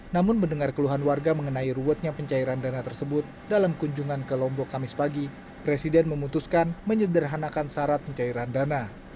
namun mendengar keluhan warga mengenai ruwetnya pencairan dana tersebut dalam kunjungan ke lombok kamis pagi presiden memutuskan menyederhanakan syarat pencairan dana